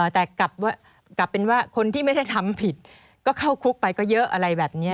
แต่กลับเป็นว่าคนที่ไม่ได้ทำผิดก็เข้าคุกไปก็เยอะอะไรแบบนี้